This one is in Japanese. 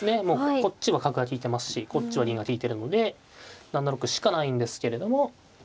こっちは角が利いてますしこっちは銀が利いてるので７六しかないんですけれども。